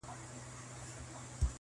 پر غزل مي دي جاګیر جوړ کړ ته نه وې-